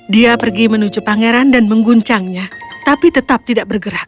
dia pergi menuju pangeran dan mengguncangnya tapi tetap tidak bergerak